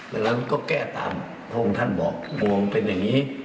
ดังนั้นก็แก้ตามพระองค์ท่านบอกดวงเป็นอย่างนี้